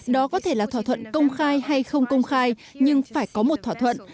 đó có thể là thỏa thuận công khai hay không công khai nhưng phải có một thỏa thuận